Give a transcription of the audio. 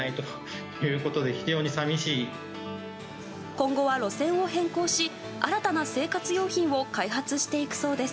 今後は、路線を変更し新たな生活用品を開発していくそうです。